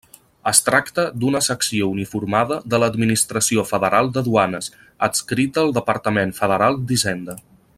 Es tracta d'una secció uniformada de l'Administració Federal de Duanes, adscrita al Departament Federal d'Hisenda.